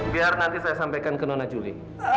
biar nanti saya sampaikan ke nona juli